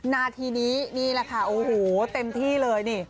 นาทีนี้นี่แหละค่ะโอ้โหเต็มที่เลยนี่